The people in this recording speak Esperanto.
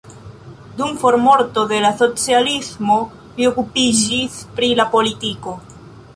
Dum formorto de la socialismo li okupiĝis pri la politiko.